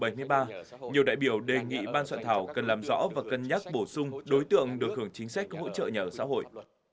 nhiều đại biểu đề nghị ban soạn thảo cần làm rõ và cân nhắc bổ sung đối tượng được hưởng chính sách hỗ trợ nhà ở xã hội